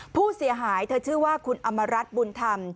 ผู้เสียหายเธอชื่อว่าคุณอำมารัฐบุญธรรม